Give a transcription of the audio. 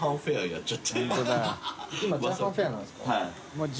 はい。